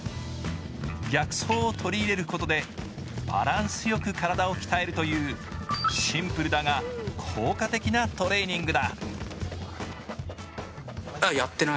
逆走を取り入れることでバランスよく体を鍛えるというシンプルだが効果的なトレーニングだ。